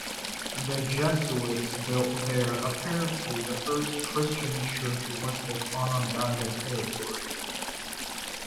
The Jesuits built there apparently the first Christian church west of Onondaga territory.